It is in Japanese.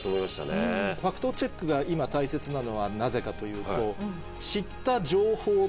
ファクトチェックが今大切なのはなぜかというと。